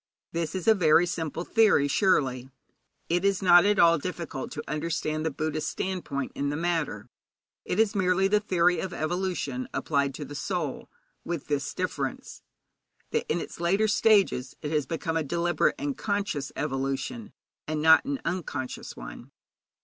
This is a very simple theory, surely. It is not at all difficult to understand the Buddhist standpoint in the matter. It is merely the theory of evolution applied to the soul, with this difference: that in its later stages it has become a deliberate and a conscious evolution, and not an unconscious one.